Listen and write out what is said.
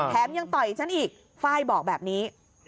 ยังต่อยฉันอีกไฟล์บอกแบบนี้